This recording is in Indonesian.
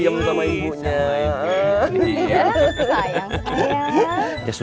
ya sudah kalau begitu saya pasti bisa panggil suha